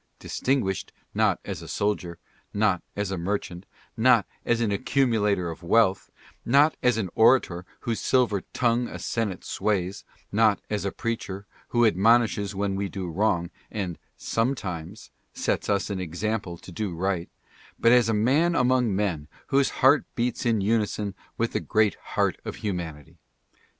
Distinguished, not as a soldier ; not as a merchant ; not as an accumulator of wealth ; not as an orator whose silver tongue a senate sways ; not as a preacher, who admonishes when we do wrong and sometimes sets us an example to do right ; but as a man among men whose heart beats in unison with the great heart of humanity.